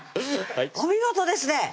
お見事ですね